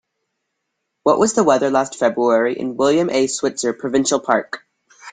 What was the weather last February in William A. Switzer Provincial Park?